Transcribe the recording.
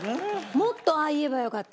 もっとああ言えばよかった。